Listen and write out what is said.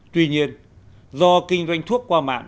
tuy nhiên do kinh doanh thuốc qua mạng